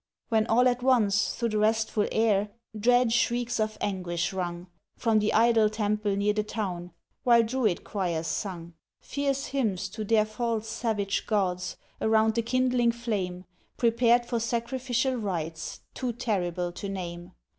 When all at once through th' restful air, Dread shrieks of anguish rung From the idol temple near the town, While Druid choirs sung Fierce hymns to their false savage gods, Around the kindling flame, Prepared for sacrificial rites, Too terrible to name.